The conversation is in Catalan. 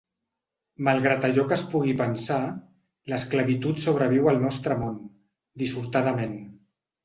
Malgrat allò que es pugui pensar, l’esclavitud sobreviu al nostre món, dissortadament.